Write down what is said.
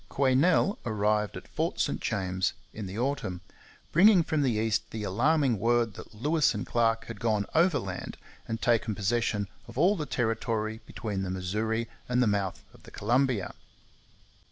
Quesnel arrived at Fort St James in the autumn, bringing from the east the alarming word that Lewis and Clark had gone overland and taken possession of all the territory between the Missouri and the mouth of the Columbia.